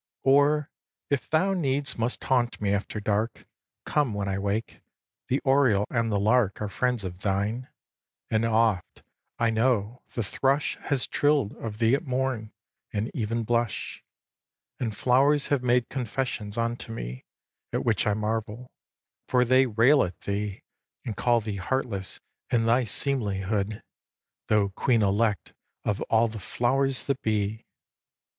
Or, if thou needs must haunt me after dark, Come when I wake. The oriole and the lark Are friends of thine; and oft, I know, the thrush Has trill'd of thee at morn and even blush. And flowers have made confessions unto me At which I marvel; for they rail at thee And call thee heartless in thy seemlihood, Though queen elect of all the flowers that be. xix.